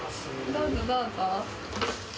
どうぞどうぞ。